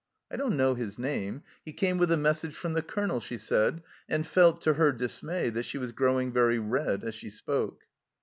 " I don't know his name ; he came with a mes sage from the Colonel," she said, and felt, to her dismay, that she was growing very red as she spoke.